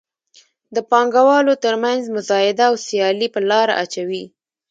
د پانګوالو تر مینځ مزایده او سیالي په لاره اچوي.